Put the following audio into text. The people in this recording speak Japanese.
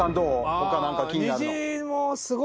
他何か気になるの。